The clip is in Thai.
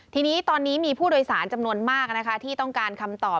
ทีนี้ตอนนี้มีผู้โดยสารจำนวนมากนะคะที่ต้องการคำตอบ